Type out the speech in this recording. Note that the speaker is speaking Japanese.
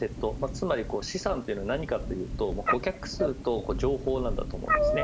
つまり資産というのは何かというと顧客数と情報なんだと思うんですね。